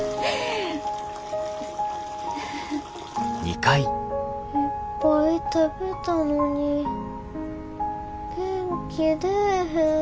いっぱい食べたのに元気出ぇへん。